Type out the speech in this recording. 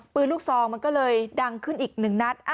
ปืนลูกซองมันก็เลยดังขึ้นอีกหนึ่งนัด